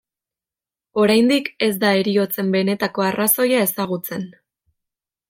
Oraindik ez da heriotzen benetako arrazoia ezagutzen.